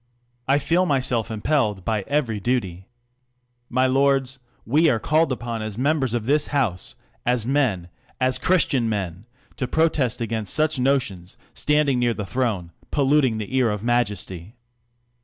I feel myself impelled by every duty. My lords, we are csilled" upon as members of this House, s men as Christian men, to protest against such notions standing near the throne, polluting the ear of Majesty.